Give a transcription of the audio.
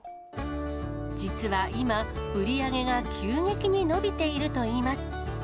実は今、売り上げが急激に伸びているといいます。